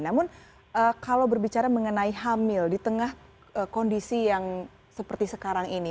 namun kalau berbicara mengenai hamil di tengah kondisi yang seperti sekarang ini